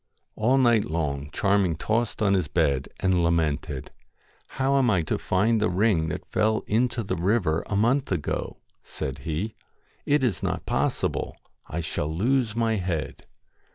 All night long Charming tossed on his bed, and lamented ' How am I to find the ring that fell into the river a month ago ?' said he. ' It is not possible. I shall lose my head.'